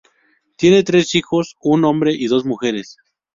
Tiene tres hijos: un hombre y dos mujeres.